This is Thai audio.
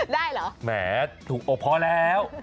ได้เหรอแหมถูกอบพอแล้ว